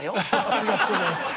ありがとうございます。